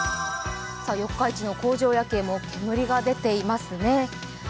四日市の工場夜景も煙が出ていますね。